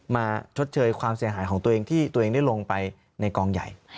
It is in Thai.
ชดเชยความเสียหายของตัวเองที่ตัวเองได้ลงไปในกองใหญ่